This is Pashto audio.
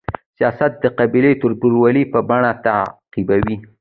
سیاست د قبایلي تربورولۍ په بڼه تعبیروو.